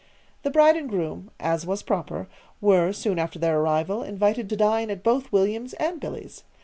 The bride and groom, as was proper, were, soon after their arrival, invited to dine at both William's and Billy's.